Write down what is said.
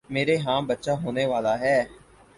میرے ہاں بچہ ہونے والا ہے